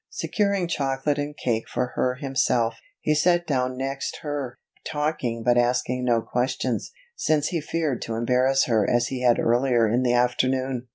Securing chocolate and cake for her himself, he sat down next her, talking but asking no questions, since he feared to embarrass her as he had earlier in the afternoon.